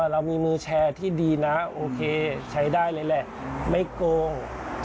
เรามีมือแชร์ที่ดีนะโอเคใช้ได้เลยแหละไม่โกง